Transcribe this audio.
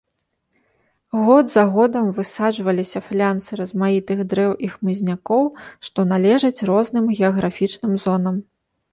Год за годам высаджваліся флянсы размаітых дрэў і хмызнякоў, што належаць розным геаграфічным зонам.